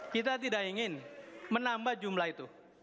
kita tidak ingin menambah jumlah itu